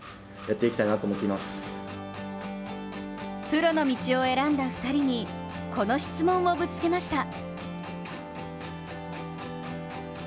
プロの道を選んだ２人にこの質問をぶつけました。